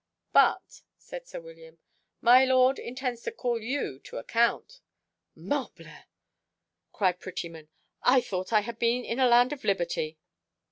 "But," said sir William, "my lord intends to call you to an account." "Morbleu," cried Prettyman, "I thought I had been in a land of liberty."